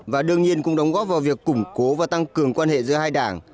và đương nhiên cũng đóng góp vào việc củng cố và tăng cường quan hệ giữa hai đảng